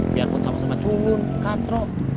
biarpun sama sama cungun katrok